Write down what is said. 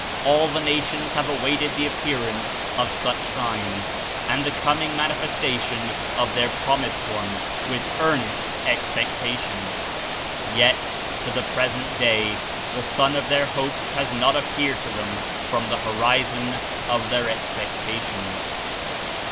All the nations have awaited the appearance of such signs, and the coming Manifestation of their Promised One, with earnest expectation. Yet, to the present day, the Sun of their hopes has not appeared to them 'from the horizon of their expectation.